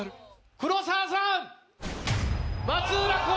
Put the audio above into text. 黒沢さん。